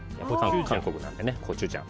韓国なのでね。